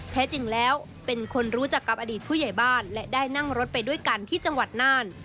แท้จริงแล้วเป็นคนรู้จักกับอดีตผู้ใหญ่บ้านและได้นั่งรถไปด้วยกันที่จังหวัดน่าน